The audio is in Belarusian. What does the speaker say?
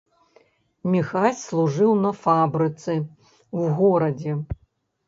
Міхась служыў на фабрыцы ў горадзе.